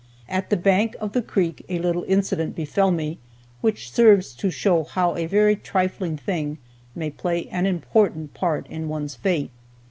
At the bank of the creek a little incident befell me, which serves to show how a very trifling thing may play an important part in one's fate.